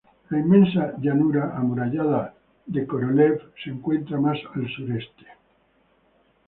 La inmensa llanura amurallada de Korolev se encuentra más al sureste.